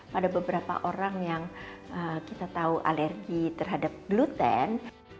pada beberapa orang yang kita tahu alergi terhadap gluten